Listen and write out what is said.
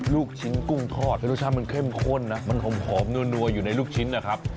ลูกชิ้นกุ้งทอดให้รสชาติมันเข้มข้นนะมันหอมนัวอยู่ในลูกชิ้นนะครับ